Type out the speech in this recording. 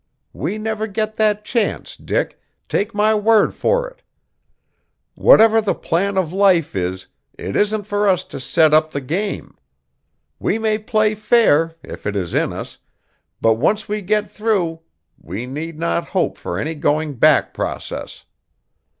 We never get that chance, Dick, take my word for it! Whatever the plan of life is, it isn't for us to set up the game! We may play fair, if it is in us, but once we get through, we need not hope for any going back process.